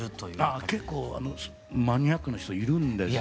ああ結構マニアックな人いるんですよ。